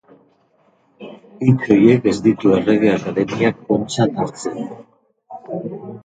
Hitz horiek ez ditu Errege Akademiak ontzat hartzen.